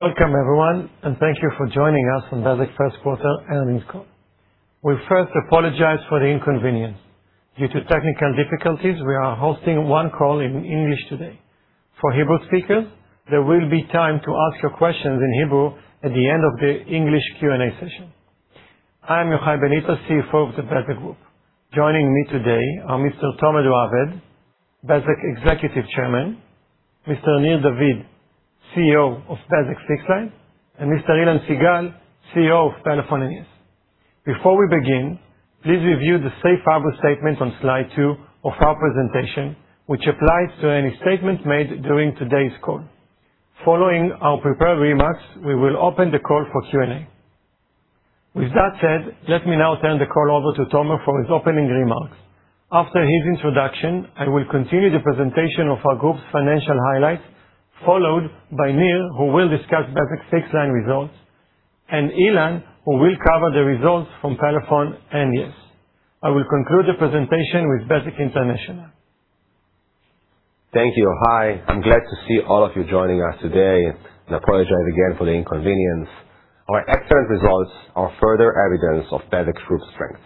Welcome everyone. Thank you for joining us on Bezeq first quarter earnings call. We first apologize for the inconvenience. Due to technical difficulties, we are hosting one call in English today. For Hebrew speakers, there will be time to ask your questions in Hebrew at the end of the English Q&A session. I am Yohai Benita, CFO of the Bezeq Group. Joining me today are Mr. Tomer Raved, Bezeq Executive Chairman, Mr. Nir David, CEO of Bezeq Fixed-Line, and Mr. Ilan Sigal, CEO of Pelephone and yes. Before we begin, please review the safe harbor statement on slide two of our presentation, which applies to any statement made during today's call. Following our prepared remarks, we will open the call for Q&A. With that said, let me now turn the call over to Tomer for his opening remarks. After his introduction, I will continue the presentation of our group's financial highlights, followed by Nir, who will discuss Bezeq Fixed-Line results, and Ilan, who will cover the results from Pelephone and yes. I will conclude the presentation with Bezeq International. Thank you. Hi, I'm glad to see all of you joining us today and apologize again for the inconvenience. Our excellent results are further evidence of Bezeq Group strength.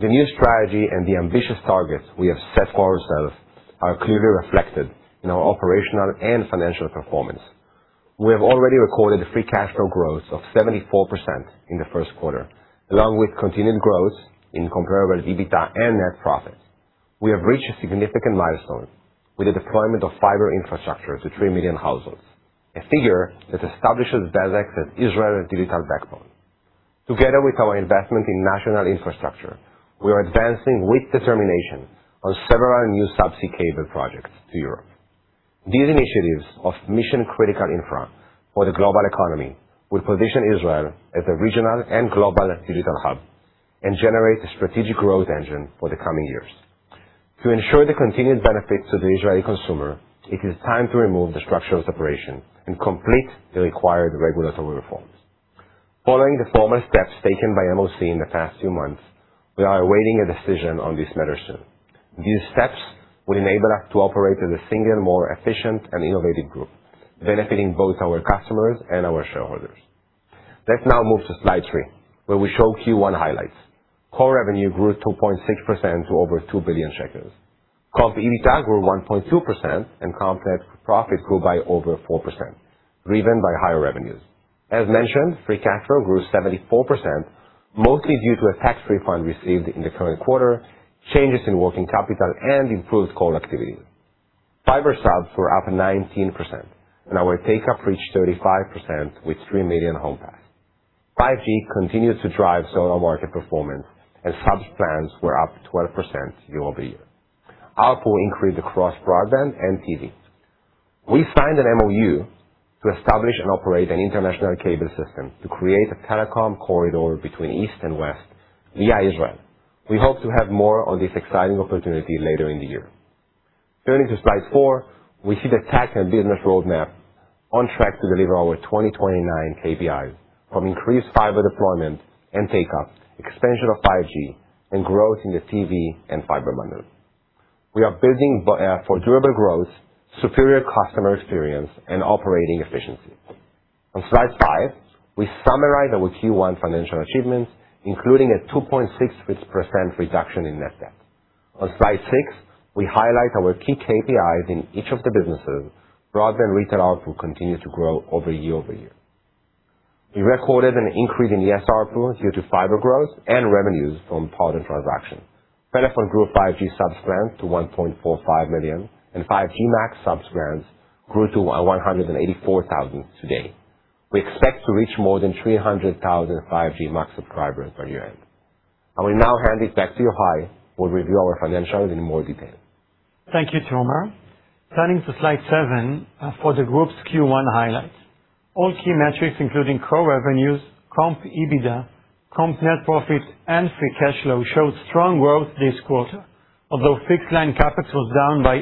The new strategy and the ambitious targets we have set for ourselves are clearly reflected in our operational and financial performance. We have already recorded a free cash flow growth of 74% in the first quarter, along with continued growth in comparable EBITDA and net profit. We have reached a significant milestone with the deployment of fiber infrastructure to 3 million households, a figure that establishes Bezeq as Israel's digital backbone. Together with our investment in national infrastructure, we are advancing with determination on several new subsea cable projects to Europe. These initiatives of mission-critical infra for the global economy will position Israel as a regional and global digital hub and generate a strategic growth engine for the coming years. To ensure the continued benefit to the Israeli consumer, it is time to remove the structural separation and complete the required regulatory reforms. Following the formal steps taken by MOC in the past few months, we are awaiting a decision on this matter soon. These steps will enable us to operate as a single, more efficient and innovative group, benefiting both our customers and our shareholders. Let's now move to slide three, where we show Q1 highlights. Core revenue grew 2.6% to over 2 billion shekels. Comp EBITDA grew 1.2% and comp net profit grew by over 4%, driven by higher revenues. As mentioned, free cash flow grew 74%, mostly due to a tax refund received in the current quarter, changes in working capital, and improved core activities. Fiber subs were up 19% and our take-up reached 35% with 3 million home passed. 5G continues to drive solo market performance and subs plans were up 12% year-over-year. ARPU increased across broadband and TV. We signed an MOU to establish and operate an international cable system to create a telecom corridor between east and west via Israel. We hope to have more on this exciting opportunity later in the year. Turning to slide four, we see the tech and business roadmap on track to deliver our 2029 KPIs from increased fiber deployment and takeup, expansion of 5G and growth in the TV and fiber bundles. We are building for durable growth, superior customer experience, and operating efficiency. On slide five, we summarize our Q1 financial achievements, including a 2.6% reduction in net debt. On slide six, we highlight our key KPIs in each of the businesses. Broadband retail ARPU continues to grow year-over-year. We recorded an increase in the yes ARPU due to fiber growth and revenues from Partner transaction. Pelephone grew 5G subs plans to 1.45 million and 5G MAX subs plans grew to 184,000 today. We expect to reach more than 300,000 5G MAX subscribers by year-end. I will now hand it back to Yohai who will review our financials in more detail. Thank you, Tomer. Turning to slide seven, for the Group's Q1 highlights. All key metrics including core revenues, comp EBITDA, comp net profits, and free cash flow showed strong growth this quarter. Although fixed-line CapEx was down by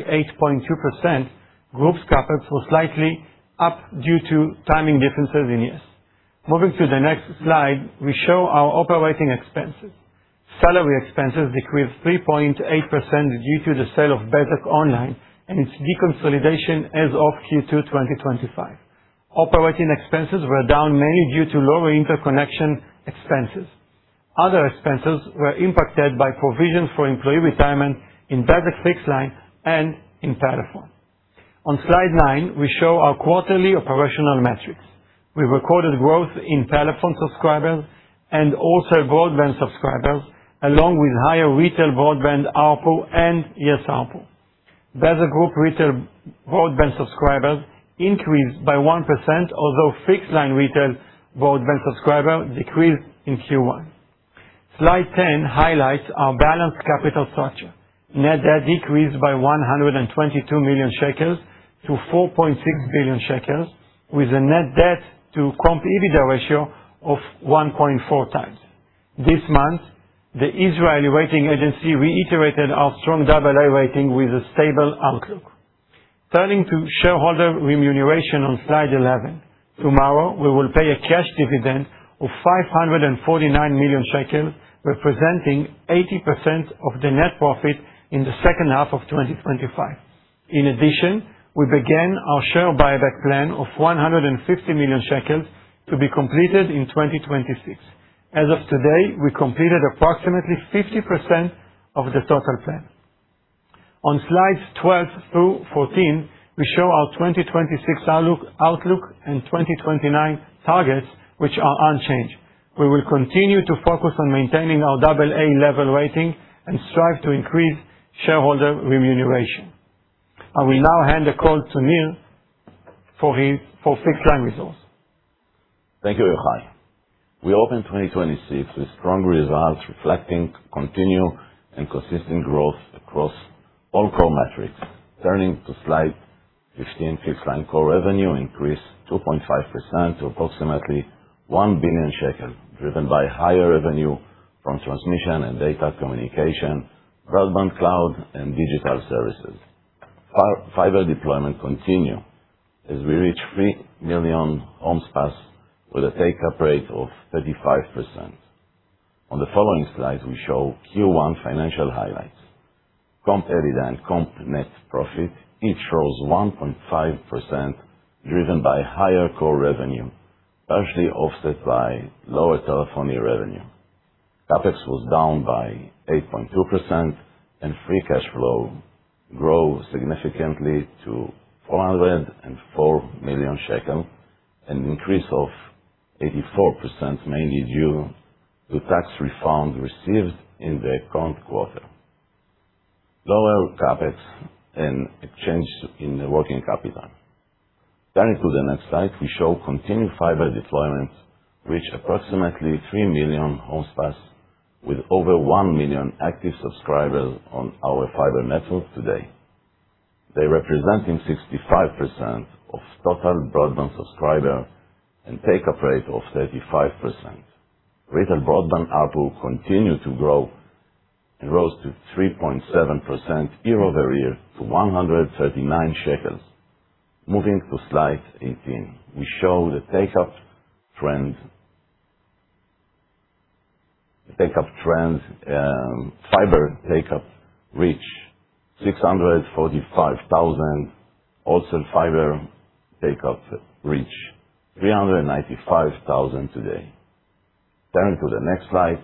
8.2%, Group's CapEx was slightly up due to timing differences in yes. Moving to the next slide, we show our operating expenses. Salary expenses decreased 3.8% due to the sale of Bezeq Online and its deconsolidation as of Q2 2025. Operating expenses were down mainly due to lower interconnection expenses. Other expenses were impacted by provisions for employee retirement in Bezeq Fixed-Line and in Pelephone. On slide nine, we show our quarterly operational metrics. We recorded growth in Pelephone subscribers and also broadband subscribers, along with higher retail broadband ARPU and yes ARPU. Bezeq Group retail broadband subscribers increased by 1%, although fixed-line retail broadband subscribers decreased in Q1. Slide 10 highlights our balanced capital structure. Net debt decreased by 122 million shekels to 4.6 billion shekels, with a net debt to comp EBITDA ratio of 1.4x. This month, the Israeli rating agency reiterated our strong AA rating with a stable outlook. Turning to shareholder remuneration on slide 11. Tomorrow, we will pay a cash dividend of 549 million shekels, representing 80% of the net profit in the second half of 2025. In addition, we began our share buyback plan of 150 million shekels to be completed in 2026. As of today, we completed approximately 50% of the total plan. On slides 12 through 14, we show our 2026 outlook and 2029 targets, which are unchanged. We will continue to focus on maintaining our AA level rating and strive to increase shareholder remuneration. I will now hand the call to Nir for fixed-line results. Thank you, Yohai. We opened 2026 with strong results reflecting continued and consistent growth across all core metrics. Turning to slide 15, fixed-line core revenue increased 2.5% to approximately 1 billion shekel, driven by higher revenue from transmission and data communication, broadband, cloud, and digital services. Fiber deployment continue as we reach 3 million homes passed with a take-up rate of 35%. On the following slides, we show Q1 financial highlights. Comp EBITDA and comp net profit each rose 1.5%, driven by higher core revenue, partially offset by lower telephony revenue. CapEx was down by 8.2%. Free cash flow grew significantly to 404 million shekel, an increase of 84%, mainly due to tax refund received in the current quarter, lower CapEx and a change in the working capital. Turning to the next slide, we show continued fiber deployment, which approximately 3 million homes passed with over 1 million active subscribers on our fiber network today. They're representing 65% of total broadband subscribers and take-up rate of 35%. Retail broadband ARPU continued to grow and rose to 3.7% year-over-year to 139 shekels. Moving to slide 18, we show the take-up trend. Fiber take-up reached 645,000. Wholesale fiber take-up reached 395,000 today. Turning to the next slide,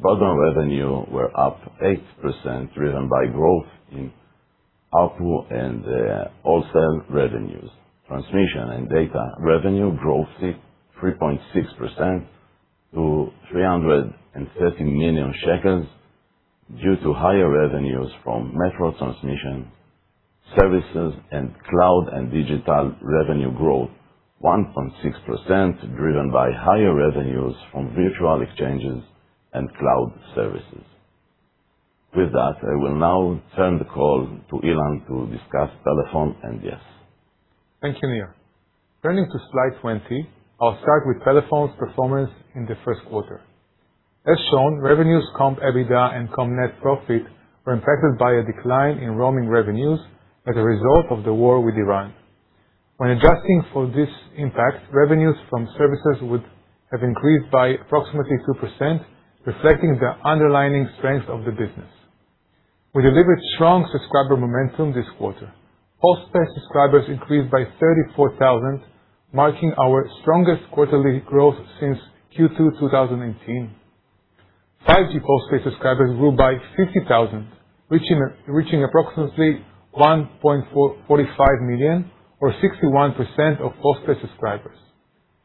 broadband revenue were up 8% driven by growth in ARPU and wholesale revenues. Transmission and data revenue growth, 3.6% to 330 million shekels due to higher revenues from metro transmission services and cloud and digital revenue growth, 1.6% driven by higher revenues from virtual exchanges and cloud services. With that, I will now turn the call to Ilan to discuss Pelephone and yes. Thank you, Nir. Turning to slide 20, I'll start with Pelephone's performance in the first quarter. As shown, revenues, comp EBITDA, and comp net profit were impacted by a decline in roaming revenues as a result of the war with Iran. When adjusting for this impact, revenues from services would have increased by approximately 2%, reflecting the underlying strength of the business. We delivered strong subscriber momentum this quarter. Postpaid subscribers increased by 34,000, marking our strongest quarterly growth since Q2 2019. 5G postpaid subscribers grew by 50,000, reaching approximately 1.45 million or 61% of postpaid subscribers.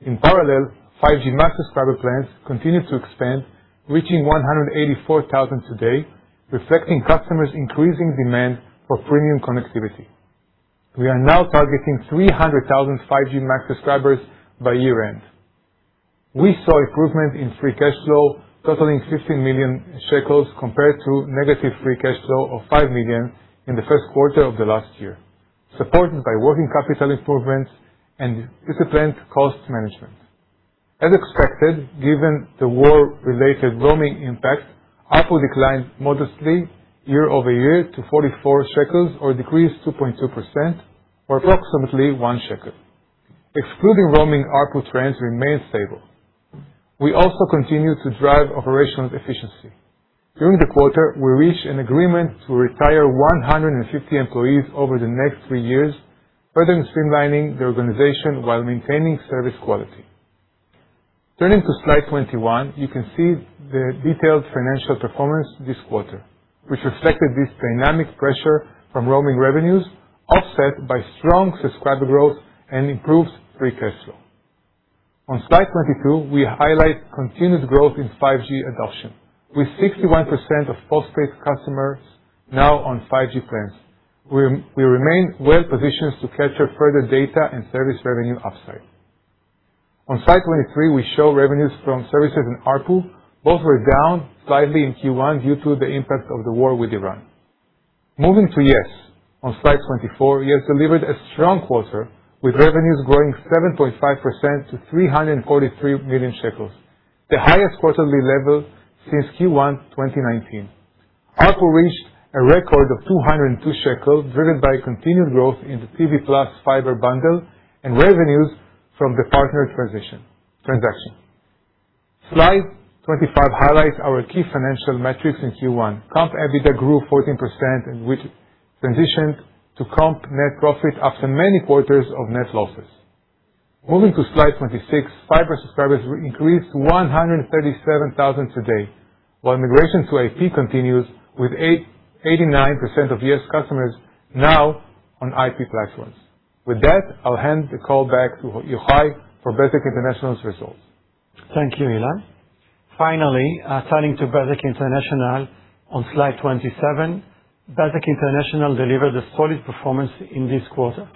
In parallel, 5G MAX subscriber plans continued to expand, reaching 184,000 today, reflecting customers' increasing demand for premium connectivity. We are now targeting 300,000 5G MAX subscribers by year-end. We saw improvement in free cash flow totaling 50 million shekels compared to negative free cash flow of 5 million in the first quarter of the last year, supported by working capital improvements and disciplined cost management. As expected, given the war-related roaming impact, ARPU declined modestly year-over-year to 44 shekels or decreased 2.2% or approximately 1 shekel. Excluding roaming, ARPU trends remained stable. We also continued to drive operational efficiency. During the quarter, we reached an agreement to retire 150 employees over the next three years, further streamlining the organization while maintaining service quality. Turning to slide 21, you can see the detailed financial performance this quarter, which reflected this dynamic pressure from roaming revenues offset by strong subscriber growth and improved free cash flow. On slide 22, we highlight continued growth in 5G adoption. With 61% of postpaid customers now on 5G plans, we remain well-positioned to capture further data and service revenue upside. On slide 23, we show revenues from services and ARPU. Both were down slightly in Q1 due to the impact of the war with Iran. Moving to yes. On slide 24, yes delivered a strong quarter, with revenues growing 7.5% to 343 million shekels, the highest quarterly level since Q1 2019. ARPU reached a record of 202 shekels, driven by continued growth in the TV plus fiber bundle and revenues from the Partner transaction. Slide 25 highlights our key financial metrics in Q1. Comp EBITDA grew 14%, and we transitioned to comp net profit after many quarters of net losses. Moving to slide 26, fiber subscribers increased 137,000 today, while migration to IP continues with 89% of yes customers now on IP platforms. With that, I'll hand the call back to Yohai for Bezeq International's results. Thank you, Ilan. Turning to Bezeq International on slide 27. Bezeq International delivered a solid performance in this quarter,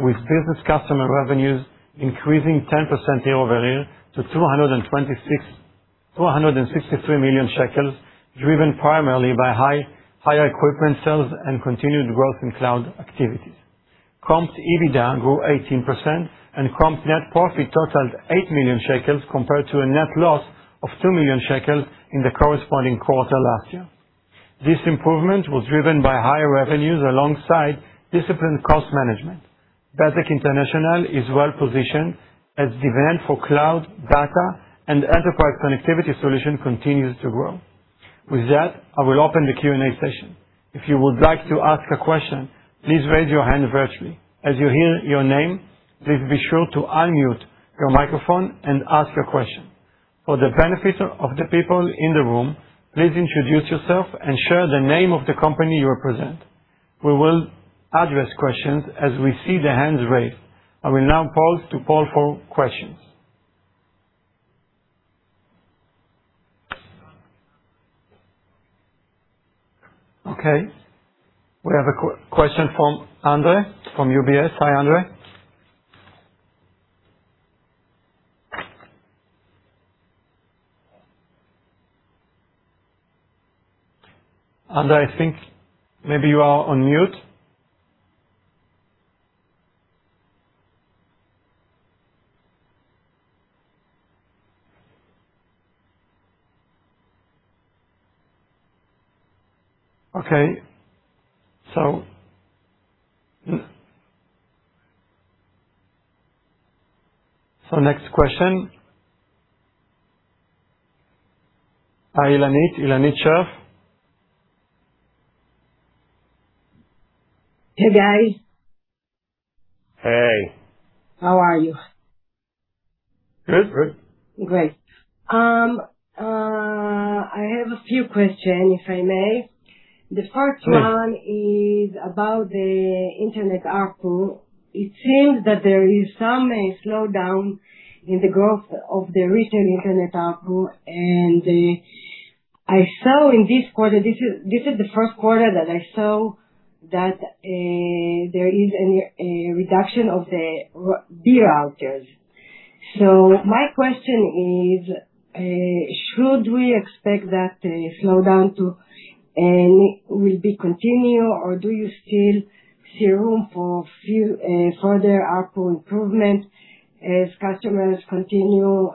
with business customer revenues increasing 10% year-over-year to 263 million shekels, driven primarily by higher equipment sales and continued growth in cloud activities. Comp EBITDA grew 18%, and comp net profit totaled 8 million shekels compared to a net loss of 2 million shekels in the corresponding quarter last year. This improvement was driven by higher revenues alongside disciplined cost management. Bezeq International is well-positioned as demand for cloud, data, and enterprise connectivity solution continues to grow. With that, I will open the Q&A session. If you would like to ask a question, please raise your hand virtually. As you hear your name, please be sure to unmute your microphone and ask your question. For the benefit of the people in the room, please introduce yourself and share the name of the company you represent. We will address questions as we see the hands raised. I will now pause to poll for questions. Okay, we have a Q&A question from Ondrej from UBS. Hi, Ondrej. Ondrej, I think maybe you are on mute. Okay. Next question. Hi, Ilanit. Ilanit Sherf. Hey, guys. Hey. How are you? Good, good. Great. I have a few questions, if I may. Sure. The first one is about the internet ARPU. It seems that there is some slowdown in the growth of the regional internet ARPU, and I saw in this quarter, this is the first quarter that I saw that there is a reduction of the [Be] routers. My question is, should we expect that slowdown to will be continue, or do you still see room for few further ARPU improvement as customers continue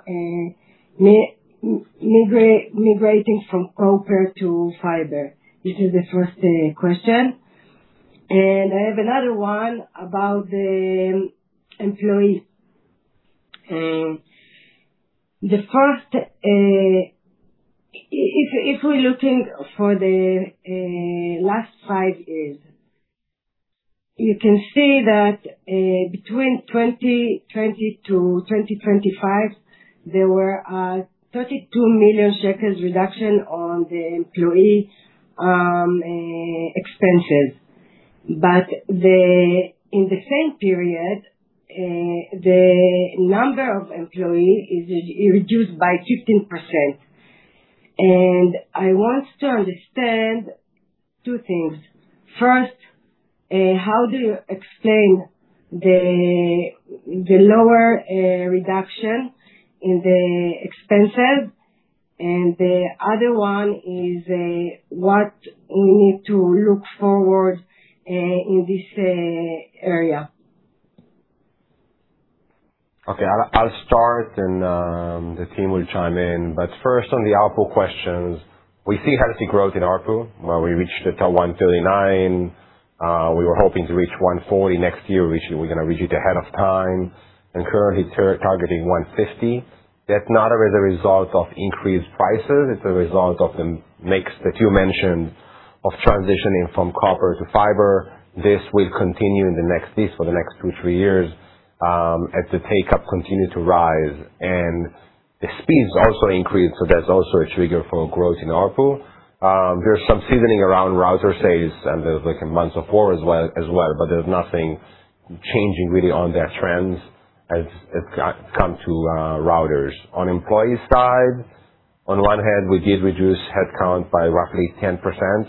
migrating from copper to fiber? This is the first question. I have another one about the employees. The first, if we're looking for the last five years, you can see that between 2020 to 2025, there were 32 million shekels reduction on the employee expenses. In the same period, the number of employees is reduced by 15%. I want to understand two things. First, how do you explain the lower reduction in the expenses? The other one is what we need to look forward in this area. Okay. I'll start, the team will chime in. First on the ARPU questions, we see healthy growth in ARPU. While we reached 139, we were hoping to reach 140 next year, which we're going to reach it ahead of time. Currently targeting 150. That's not as a result of increased prices, it's a result of the mix that you mentioned of transitioning from copper to fiber. This will continue in the next piece for the next two, three years, as the take-up continue to rise. The speeds also increase, that's also a trigger for growth in ARPU. There's some seasoning around router sales, and there's like a months of war as well, but there's nothing changing really on that trend as it's come to routers. On employee side, on one hand, we did reduce headcount by roughly 10%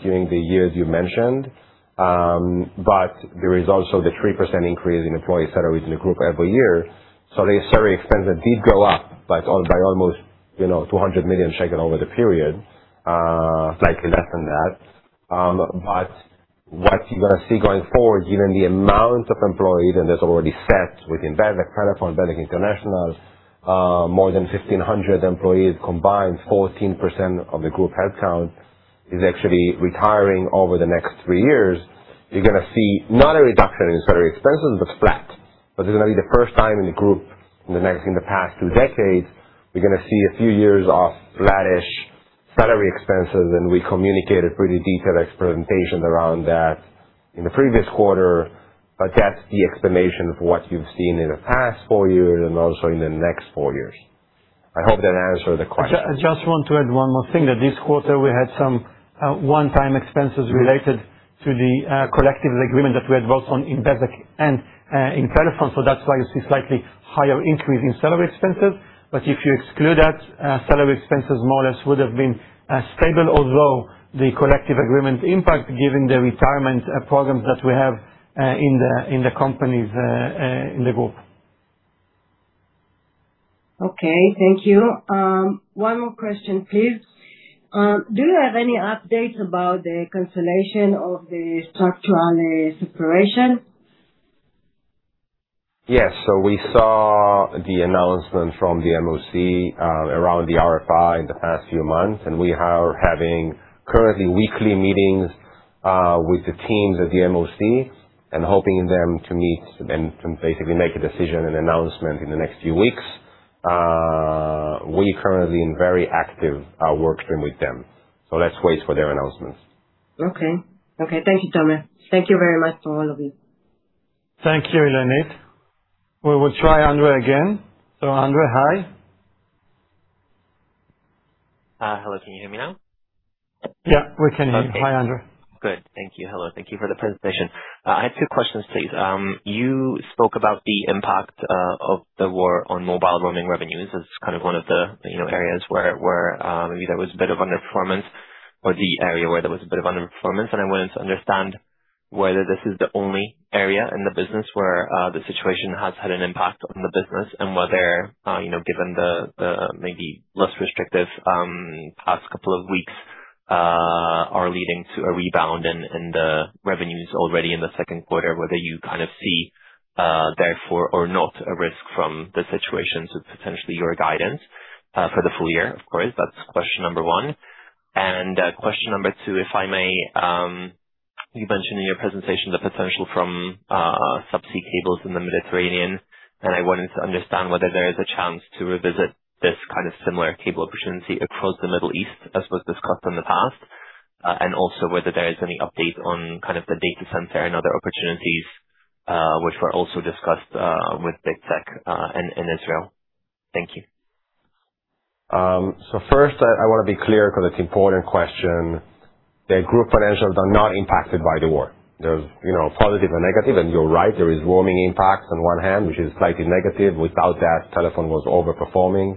during the years you mentioned. There is also the 3% increase in employee salaries in the group every year. The salary expenses did go up by almost, you know, 200 million shekel over the period, slightly less than that. What you're gonna see going forward, given the amount of employees, and that's already set within Bezeq, Pelephone, Bezeq International, more than 1,500 employees combined, 14% of the group headcount is actually retiring over the next three years. You're gonna see not a reduction in salary expenses, but flat. It's gonna be the first time in the group in the next, in the past two decades, we're gonna see a few years of flattish salary expenses, and we communicated pretty detailed explanation around that in the previous quarter. That's the explanation of what you've seen in the past four years and also in the next four years. I hope that answered the question. I just want to add one more thing, that this quarter we had some one-time expenses related to the collective agreement that we had worked on in Bezeq and in Pelephone. That's why you see slightly higher increase in salary expenses. If you exclude that, salary expenses more or less would have been stable although the collective agreement impact given the retirement programs that we have in the companies in the group. Okay. Thank you. One more question, please. Do you have any updates about the consolidation of the structural separation? We saw the announcement from the MOC around the RFI in the past few months, and we are having currently weekly meetings with the teams at the MOC and hoping them to meet and to basically make a decision and announcement in the next few weeks. We currently in very active work stream with them. Let's wait for their announcements. Okay. Okay. Thank you, Tomer. Thank you very much to all of you. Thank you, Ilanit. We will try Ondrej again. Ondrej, hi. Hello. Can you hear me now? Yeah, we can hear you. Okay. Hi, Ondrej. Good. Thank you. Hello. Thank you for the presentation. I have two questions, please. You spoke about the impact of the war on mobile roaming revenues as kind of one of the, you know, areas where maybe there was a bit of underperformance or the area where there was a bit of underperformance, and I wanted to understand whether this is the only area in the business where the situation has had an impact on the business and whether, you know, given the maybe less restrictive past couple of weeks are leading to a rebound in the revenues already in the second quarter, whether you kind of see, therefore or not a risk from the situation to potentially your guidance for the full year, of course. That's question number one. Question number two, if I may. You mentioned in your presentation the potential from subsea cables in the Mediterranean, and I wanted to understand whether there is a chance to revisit this kind of similar cable opportunity across the Middle East as was discussed in the past, and also whether there is any update on kind of the data center and other opportunities, which were also discussed with Big Tech in Israel. Thank you. First, I wanna be clear because it's important question. The group financials are not impacted by the war. There's, you know, positive and negative, and you're right, there is roaming impacts on one hand, which is slightly negative. Without that, Pelephone was overperforming.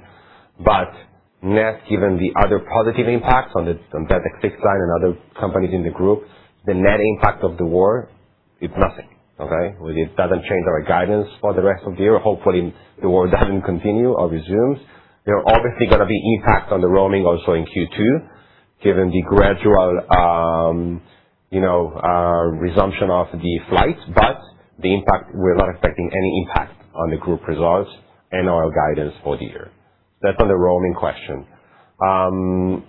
Net, given the other positive impacts on Bezeq Fixed-Line and other companies in the group, the net impact of the war, it's nothing. Okay? It doesn't change our guidance for the rest of the year. Hopefully, the war doesn't continue or resumes. There are obviously gonna be impacts on the roaming also in Q2, given the gradual, you know, resumption of the flights, but the impact, we're not expecting any impact on the group results and our guidance for the year. That's on the roaming question. On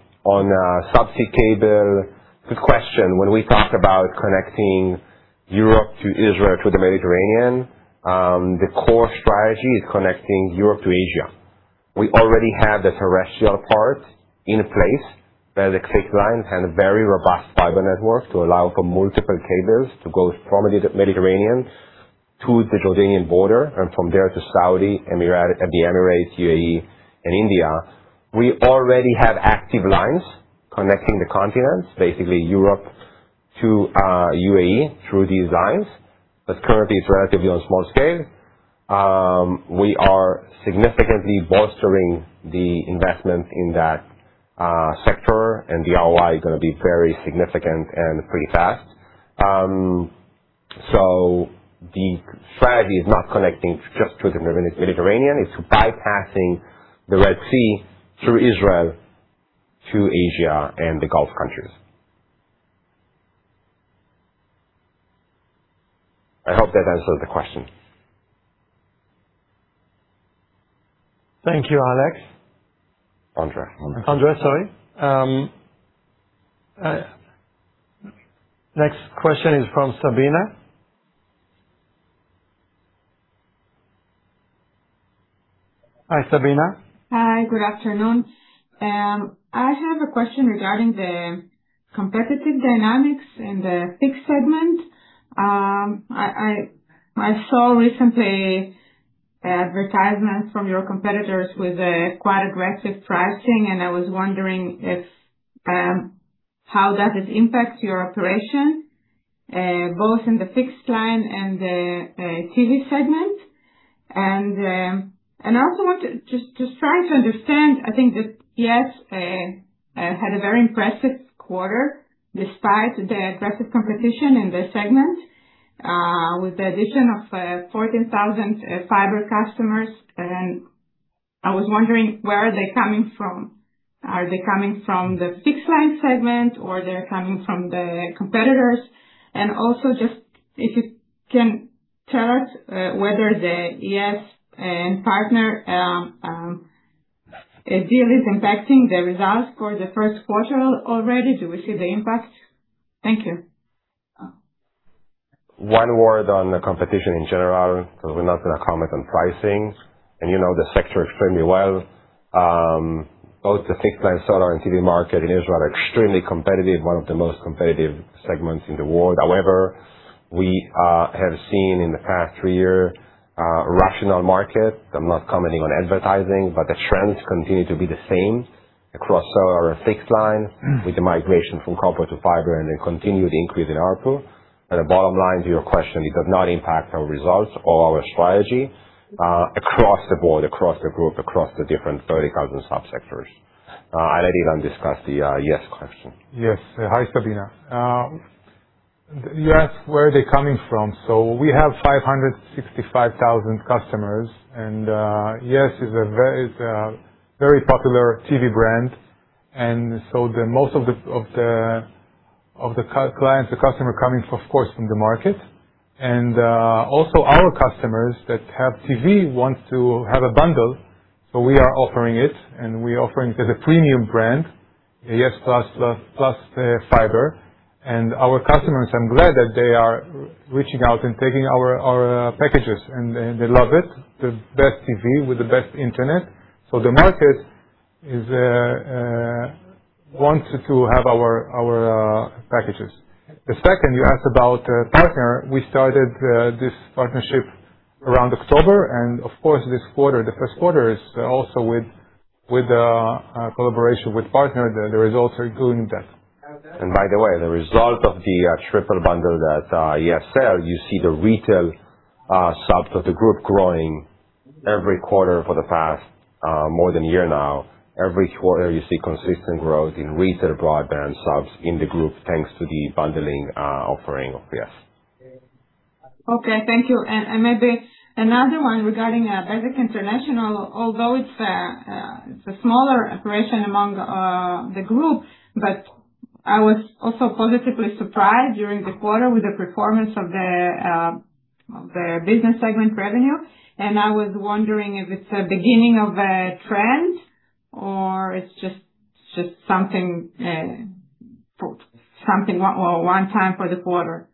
subsea cable. Good question. When we talk about connecting Europe to Israel to the Mediterranean, the core strategy is connecting Europe to Asia. We already have the terrestrial part in place. Bezeq Fixed-Line has a very robust fiber network to allow for multiple cables to go from the Mediterranean to the Jordanian border and from there to Saudi, the Emirates, UAE and India. We already have active lines connecting the continents, basically Europe to UAE through these lines. Currently it's relatively on small scale. We are significantly bolstering the investment in that sector, and the ROI is gonna be very significant and pretty fast. The strategy is not connecting just to the Mediterranean, it's bypassing the Red Sea through Israel to Asia and the Gulf countries. I hope that answers the question. Thank you, Ondrej. Ondrej. Ondrej. Sorry. next question is from Sabina. Hi, Sabina. Hi. Good afternoon. I have a question regarding the competitive dynamics in the fixed segment. I saw recently advertisements from your competitors with a quite aggressive pricing, and I was wondering if how does it impact your operation, both in the fixed-line and the TV segment. I also want to try to understand, I think that yes had a very impressive quarter despite the aggressive competition in this segment, with the addition of 14,000 fiber customers. I was wondering, where are they coming from? Are they coming from the fixed-line segment, or they're coming from the competitors? Also, just if you can tell us, whether the yes and Partner deal is impacting the results for the first quarter already. Do we see the impact? Thank you. One word on the competition in general, because we're not going to comment on pricing, and you know the sector extremely well. Both the fixed-line cellular and TV market in Israel are extremely competitive, one of the most competitive segments in the world. However, we have seen in the past three year, a rational market. I'm not commenting on advertising, the trends continue to be the same across cellular and fixed-line with the migration from copper to fiber and a continued increase in ARPU. The bottom line to your question, it does not impact our results or our strategy, across the board, across the group, across the different 30,000 subsectors. I already done discussed the yes question. Yes. Hi, Sabina. You asked where they're coming from. We have 565,000 customers, and yes is a very popular TV brand. The most of the clients, the customer coming, of course, from the market. Also our customers that have TV want to have a bundle, so we are offering it, and we offering it as a premium brand, yes+ fiber. Our customers, I'm glad that they are reaching out and taking our packages and they love it. The best TV with the best internet. The market is wants to have our packages. The second you asked about a Partner. We started this partnership around October, and of course, this quarter, the first quarter is also with a collaboration with Partner. The results are good in that. By the way, the result of the triple bundle that yes sell, you see the retail subs of the group growing every quarter for the past more than a year now. Every quarter, you see consistent growth in retail broadband subs in the group, thanks to the bundling offering of yes. Okay. Thank you. Maybe another one regarding Bezeq International. Although it's a smaller operation among the group, but I was also positively surprised during the quarter with the performance of the business segment revenue. I was wondering if it's a beginning of a trend or it's just something one time for the quarter.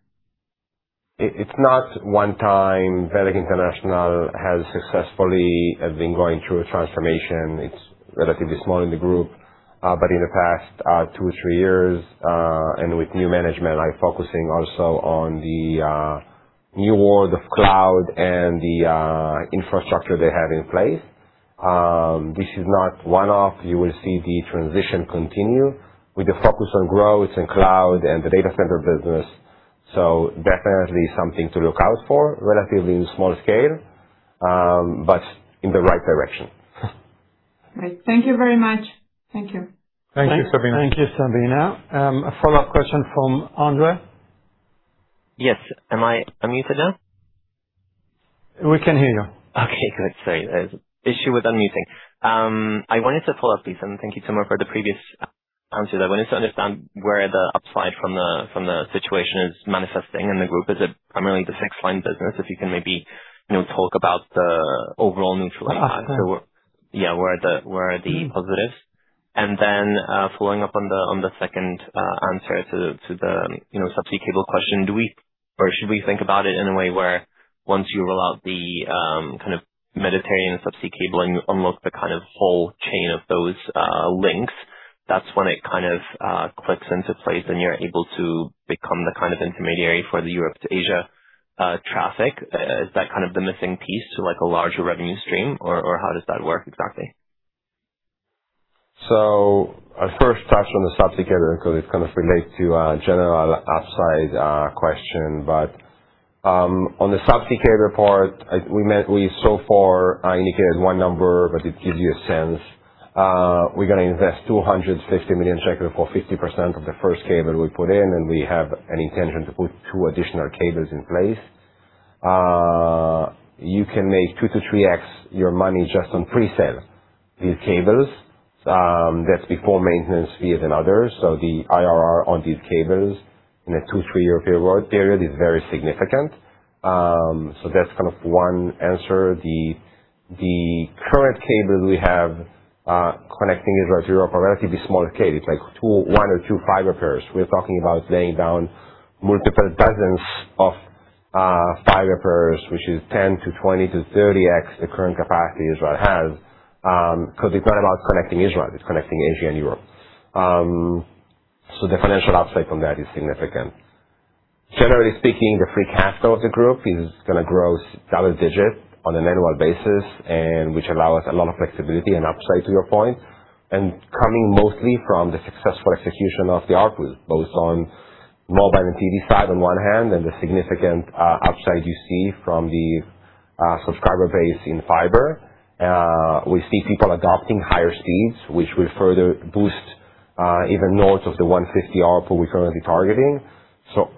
It's not one-time. Bezeq International has successfully been going through a transformation. It's relatively small in the group, but in the past, two, three years, and with new management, are focusing also on the new world of cloud and the infrastructure they have in place. This is not one-off. You will see the transition continue with the focus on growth and cloud and the data center business. Definitely something to look out for. Relatively small scale, but in the right direction. Right. Thank you very much. Thank you. Thank you, Sabina. Thank you, Sabina. A follow-up question from Ondrej. Yes. Am I unmuted now? We can hear you. Okay, good. Sorry. There's issue with unmuting. I wanted to follow up, please, and thank you, Tomer, for the previous answer. I wanted to understand where the upside from the situation is manifesting in the group. Is it primarily the Fixed-Line business? If you can maybe, you know, talk about the overall neutral impact. Yeah, where are the positives? Following up on the second answer to the, you know, subsea cable question, do we or should we think about it in a way where once you roll out the kind of Mediterranean subsea cabling, almost the kind of whole chain of those links, that's when it kind of clicks into place and you're able to become the kind of intermediary for the Europe to Asia traffic? Is that kind of the missing piece to like a larger revenue stream, or how does that work exactly? I first touch on the subsea cable 'cause it kind of relates to a general upside question. On the subsea cable part, we so far indicated one number, but it gives you a sense. We're gonna invest 250 million shekels for 50% of the first cable we put in, and we have an intention to put two additional cables in place. You can make 2x-3x your money just on pre-sale these cables. That's before maintenance fees and others. The IRR on these cables in a two, three-year period is very significant. That's kind of one answer. The current cable we have connecting Israel to Europe are relatively small scale. It's like two one or two fiber pairs. We're talking about laying down multiple dozens of fiber pairs, which is 10x to 20x to 30x the current capacity Israel has. It's not about connecting Israel, it's connecting Asia and Europe. The financial upside from that is significant. Generally speaking, the free cash flow of the group is gonna grow double digits on an annual basis and which allow us a lot of flexibility and upside, to your point. Coming mostly from the successful execution of the ARPU, both on mobile and TV side on one hand, and the significant upside you see from the subscriber base in fiber. We see people adopting higher speeds, which will further boost even north of the 150 ARPU we're currently targeting.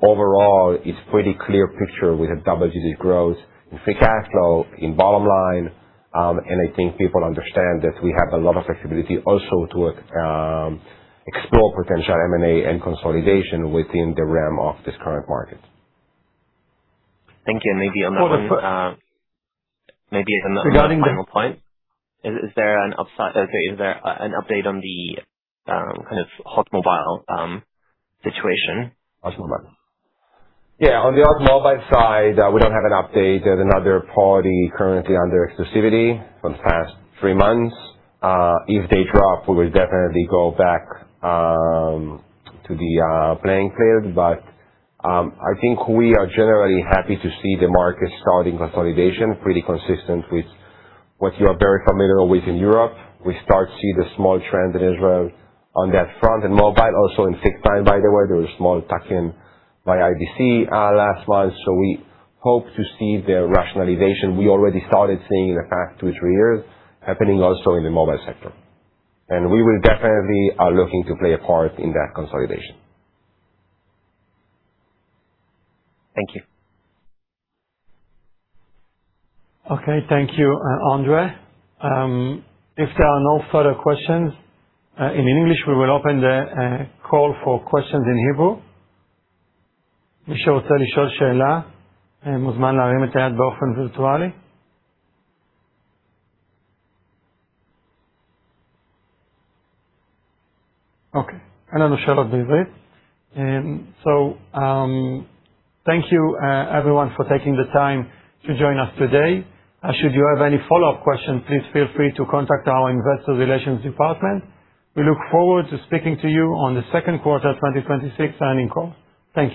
Overall, it's pretty clear picture. We have double-digit growth in free cash flow, in bottom line. I think people understand that we have a lot of flexibility also to explore potential M&A and consolidation within the realm of this current market. Thank you. Regarding the- Maybe on the final point. Okay, is there an update on the kind of HOT Mobile situation? HOT Mobile. Yeah. On the HOT Mobile side, we don't have an update. There's another party currently under exclusivity for the past three months. If they drop, we will definitely go back to the playing field. I think we are generally happy to see the market starting consolidation, pretty consistent with what you are very familiar with in Europe. We start to see the small trend in Israel on that front, in mobile, also in fixed-line, by the way. There was a small tuck-in by IBC last month. We hope to see the rationalization we already started seeing in the past two, three years happening also in the mobile sector. We will definitely are looking to play a part in that consolidation. Thank you. Thank you, Ondrej. If there are no further questions in English, we will open the call for questions in Hebrew. Thank you, everyone, for taking the time to join us today. Should you have any follow-up questions, please feel free to contact our investor relations department. We look forward to speaking to you on the second quarter 2026 earning call. Thank you.